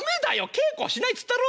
稽古しないっつったろ？